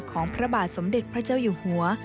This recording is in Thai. ของพระบาทสมเด็จพระเจ้าอยู่หัว